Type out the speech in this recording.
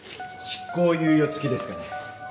執行猶予付きですがね。